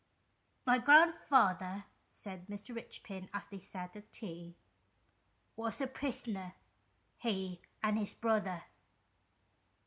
" My grandfather," said Mr. Eichpin, as they sat at tea, " was a prisoner — he and his brother."